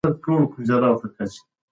ښکلی غږ د شعر په اغېز کې مرسته کوي.